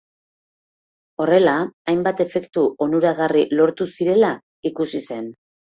Horrela, hainbat efektu onuragarri lortu zirela ikusi zen.